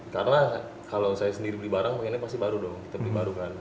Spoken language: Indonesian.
karena kalau saya sendiri beli barang pengennya pasti baru dong kita beli baru kan